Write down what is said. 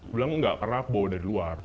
bilang gak karena bawa dari luar